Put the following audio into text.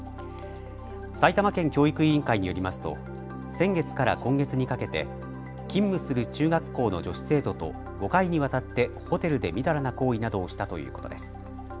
埼玉県教育委員会によりますと先月から今月にかけて勤務する中学校の女子生徒と５回にわたってホテルで淫らな行為などをしたということです。